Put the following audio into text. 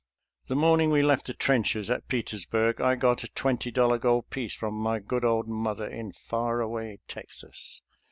The morning we left the trenches at Peters burg I got a twenty dollar gold piece from my good old mother in far away Texas.